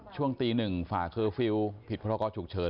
ช่วงตีหนึ่งฝ่าเคอร์ฟิล์ผิดพละกอจุกเฉิน